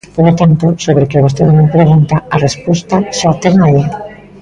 Polo tanto, sobre o que vostede me pregunta, a resposta xa a ten aí.